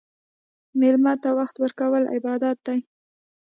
مېلمه ته وخت ورکول عبادت دی.